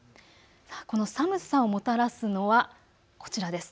この寒さをもたらすのはこちらです。